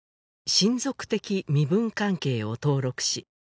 「親族的身分関係を登録し」